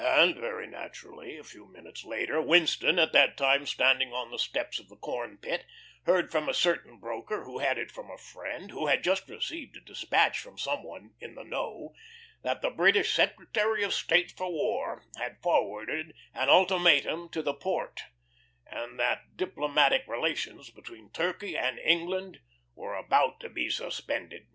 And very naturally a few minutes later Winston, at that time standing on the steps of the corn pit, heard from a certain broker, who had it from a friend who had just received a despatch from some one "in the know," that the British Secretary of State for War had forwarded an ultimatum to the Porte, and that diplomatic relations between Turkey and England were about to be suspended.